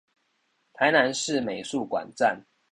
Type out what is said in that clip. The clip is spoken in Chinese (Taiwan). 臺南市美術館站